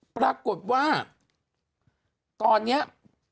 ปรากฏว่าตอนนี้